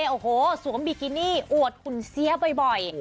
โอ้โหสวมบิกินี่อวดหุ่นเสียบ่อย